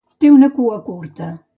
Té una cua curta.